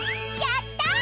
やった！